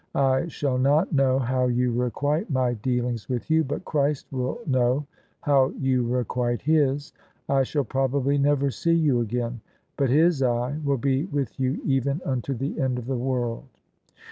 "I shall not know how you requite my dealings with you: but Christ will know how you requite His. I shall probably never see you again: but His Eye will be with you even unto the end of the world.